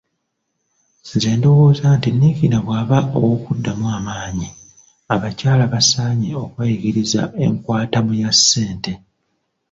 Nze ndowooza nti Niigiina bw’aba ow’okuddamu amaanyi, abakyala basaanye okubayigiriza enkwatamu ya ssente.